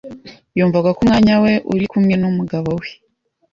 Yumvaga ko umwanya we uri kumwe numugabo we.